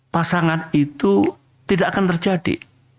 pasangan itu tidak akan terjadi